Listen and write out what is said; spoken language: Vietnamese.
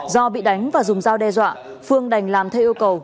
do bị đánh và dùng dao đe dọa phương đành làm theo yêu cầu